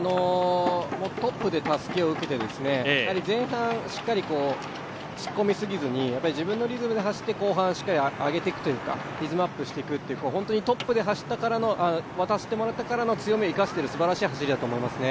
トップでたすきを受けて、前半しっかり突っ込みすぎずに自分のリズムで走ってしっかり後半上げていくというか、リズムアップしていくという、トップで渡してもらったからの強みを生かしているすばらしい走りだと思いますね。